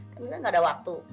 kita nggak ada waktu